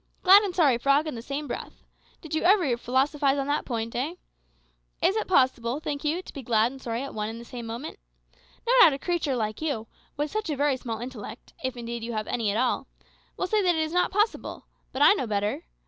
Glad and sorry, frog, in the same breath! Did you ever philosophise on that point, eh? Is it possible, think you, to be glad and sorry at one and the same moment? No doubt a creature like you, with such a very small intellect, if indeed you have any at all, will say that it is not possible. But I know better.